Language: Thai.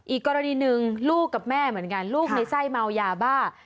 อีกกรณีหนึ่งลูกกับแม่เหมือนกันลูกในไส้เมายาบ้า